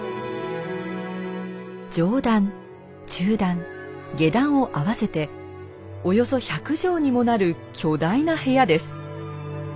上段中段下段を合わせておよそ１００畳にもなる巨大な部屋です。